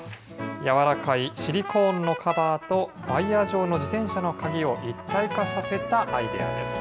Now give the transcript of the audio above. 柔らかいシリコーンのカバーと、ワイヤー状の自転車の鍵を一体化させたアイデアです。